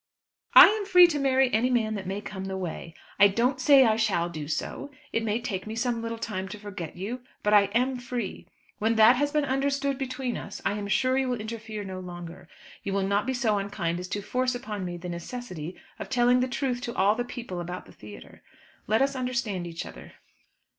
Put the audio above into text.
"I am free to marry any man that may come the way. I don't say I shall do so. It may take me some little time to forget you. But I am free. When that has been understood between us I am sure you will interfere no longer; you will not be so unkind as to force upon me the necessity of telling the truth to all the people about the theatre. Let us understand each other."